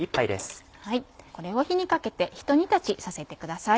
これを火にかけてひと煮立ちさせてください。